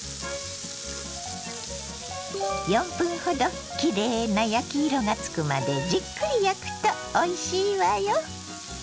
４分ほどきれいな焼き色がつくまでじっくり焼くとおいしいわよ。